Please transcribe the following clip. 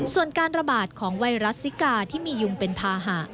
ส่วนการระบาดของไวรัสซิกาที่มียุงเป็นภาหะ